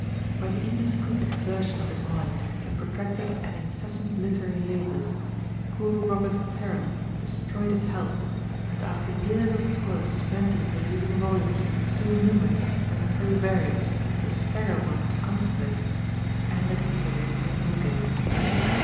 By the indiscreet exertion of his mind, in protracted and incessant literary labours, poor Robert Heron destroyed his health, and after years of toil spent in producing volumes so numerous and so varied as to stagger one to contemplate, ended his days in Newgate.